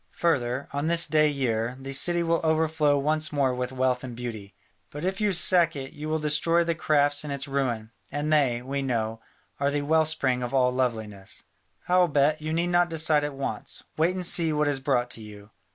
Further, on this day year, the city will overflow once more with wealth and beauty. But if you sack it, you will destroy the crafts in its ruin, and they, we know, are the well spring of all loveliness. Howbeit, you need not decide at once, wait and see what is brought to you.